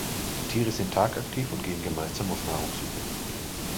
Die Tiere sind tagaktiv und gehen gemeinsam auf Nahrungssuche.